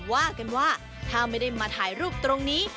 ว่ากันว่าถ้าไม่ได้มาถ่ายรูปตรงนี้